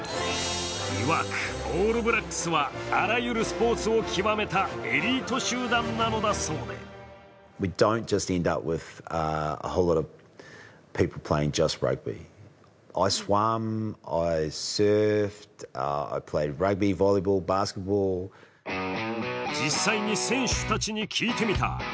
いわくオールブラックスはあらゆるスポーツを極めたエリート集団なのだそうで実際に選手たちに聞いてみた。